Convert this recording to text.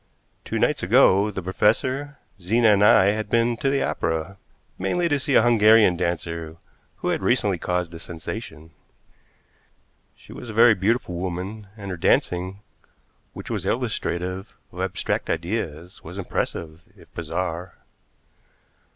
Two nights ago, the professor, Zena, and I had been to the opera, mainly to see a Hungarian dancer who had recently caused a sensation. She was a very beautiful woman, and her dancing, which was illustrative of abstract ideas, was impressive, if bizarre.